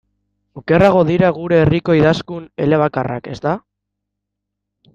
Okerrago dira gure herriko idazkun elebakarrak, ezta?